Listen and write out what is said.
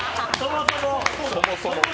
そもそも。